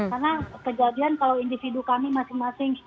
karena kejadian kalau individu kami masing masing